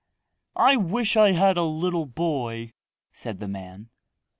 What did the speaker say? "I wish I had a little boy," said the man.